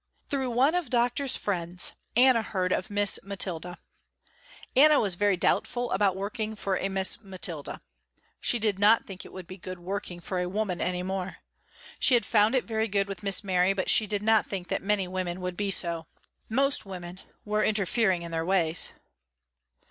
Through one of Doctor's friends Anna heard of Miss Mathilda. Anna was very doubtful about working for a Miss Mathilda. She did not think it would be good working for a woman anymore. She had found it very good with Miss Mary but she did not think that many women would be so. Most women were interfering in their ways.